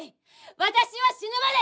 私は死ぬまで！